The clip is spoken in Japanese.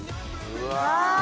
うわ！